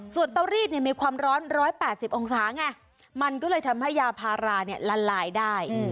ส่วนเตารีดมีความร้อน๑๘๐องศาไงมันก็เลยทำให้ยาพาราละลายได้